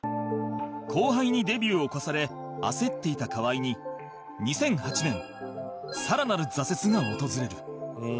後輩にデビューを越され焦っていた河合に２００８年さらなる挫折が訪れる